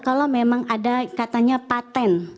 kalau memang ada katanya patent